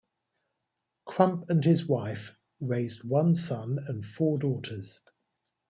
Crump and his wife raised one son and four daughters.